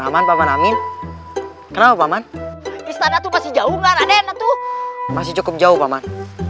aman paman amin kenapa paman istana tuh masih jauh kan ada yang itu masih cukup jauh paman